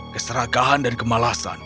keserakahan dan kemalasan